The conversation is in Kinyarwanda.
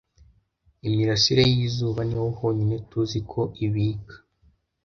Imirasire y'izuba niho honyine tuzi ko ibika